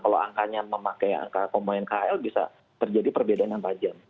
kalau angkanya memakai angka komponen kl bisa terjadi perbedaan yang tajam